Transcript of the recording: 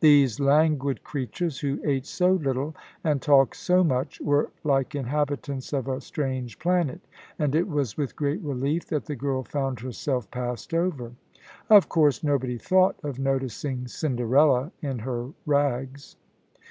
These languid creatures, who ate so little and talked so much, were like inhabitants of a strange planet, and it was with great relief that the girl found herself passed over. Of course, nobody thought of noticing Cinderella in her rags.